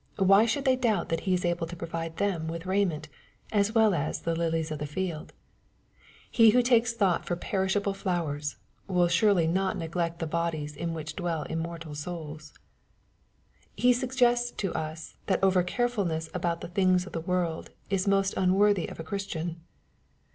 Why should they doubt that He is able to provide them with raiment, as weU as the lilies ^' of the field ?" He who takes thought for perishable flowers, will surely not neglect the bodies in which dwell immortal souls. He suggests to us, that over carefulness about the things of this world is most unworthy of a Christian.